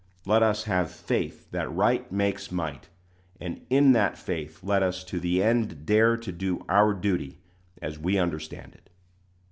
Let us have faith that right makes might, and in that faith let us to the end dare to do our duty as we understand it.